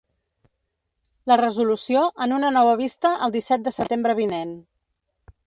La resolució, en una nova vista el disset de setembre vinent.